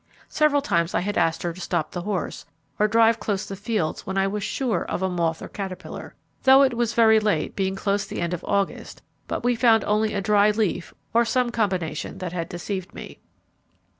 Several times I had asked her to stop the horse, or drive close the fields when I was sure of a moth or caterpillar, though it was very late, being close the end of August; but we found only a dry leaf, or some combination that had deceived me.